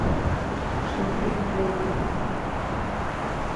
Што гэта за праявы?